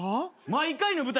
毎回の舞台